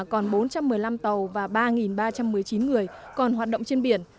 còn bốn trăm một mươi năm tàu và ba ba trăm một mươi chín người còn hoạt động trên biển